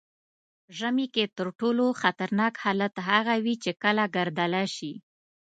ژمي کې تر ټولو خطرناک حالت هغه وي چې کله ګردله شي.